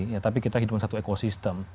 ya tapi kita hidup satu ekosistem